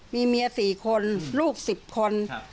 มีเมีย๔คนลูก๑๐คน